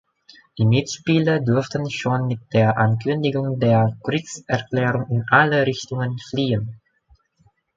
Die Mitspieler durften schon mit der Ankündigung der Kriegserklärung in alle Richtungen fliehen.